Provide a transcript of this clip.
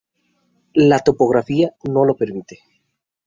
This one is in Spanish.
La topografía no lo permite.